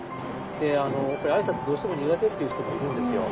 あいさつどうしても苦手っていう人もいるんですよ。